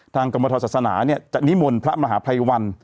ทางกรมธอกษาศาสนาจะนิมนุพระมหาไพวรรณ